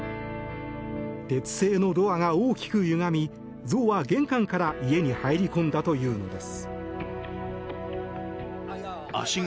鉄製のドアが大きくゆがみゾウは玄関から家に入り込んだというのです。